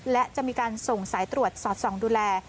และจะมีการส่งสายตรวจสอดส่องดูแล